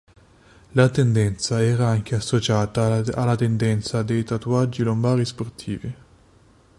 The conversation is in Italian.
La tendenza era anche associata alla tendenza dei tatuaggi lombari sportivi.